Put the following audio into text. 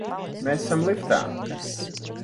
Mēs esam liftā!